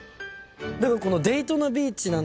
このデイトナビーチなんて。